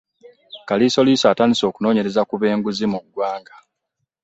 Kaliisoliiso wa gavumenti atandise okunoonyereza ku b'enguzi mu ggwanga.